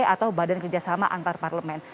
atau badan kerjasama antarparlemen